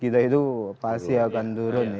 itu pasti akan turun